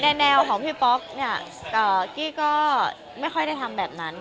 ในแนวพี่ก็ไม่เอาแบบนั้น